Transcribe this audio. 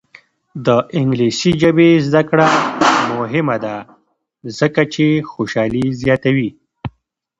د انګلیسي ژبې زده کړه مهمه ده ځکه چې خوشحالي زیاتوي.